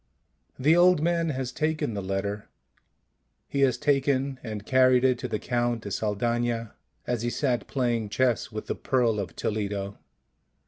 The old man has taken the letter, he has taken and carried it to the Count de Saldana, as he sat playing chess with the Pearl of Toledo.